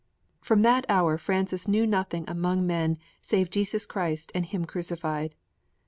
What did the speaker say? From that hour Francis knew nothing among men save Jesus Christ and Him crucified.